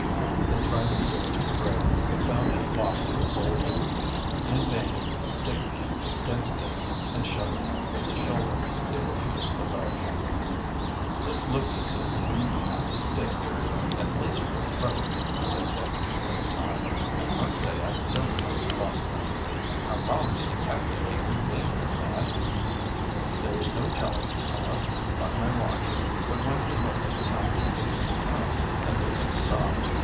They tried the door to the brig, but found it locked and bolted. In vain Dick kicked against it, and shoved with his shoulder. It refused to budge. "This looks as if we'd have to stay here at least for the present," said Dick, with a sigh. "I must say I don't like the prospect." "How long do ye calculate we've been here, lad?" "There is no telling, unless by my watch." But when he looked at the timepiece, he found that it had stopped.